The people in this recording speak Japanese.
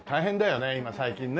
今最近ね。